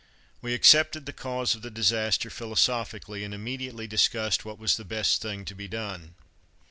We accepted the cause of the disaster philosophically, and immediately discussed what was the best thing to be done.